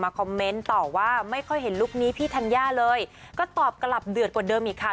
คอมเมนต์ต่อว่าไม่ค่อยเห็นลุคนี้พี่ธัญญาเลยก็ตอบกลับเดือดกว่าเดิมอีกค่ะ